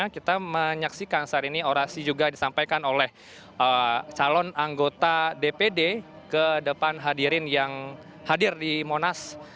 kita menyaksikan saat ini orasi juga disampaikan oleh calon anggota dpd ke depan hadirin yang hadir di monas